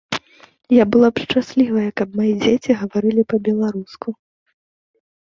Я была б шчаслівая, каб мае дзеці гаварылі па-беларуску.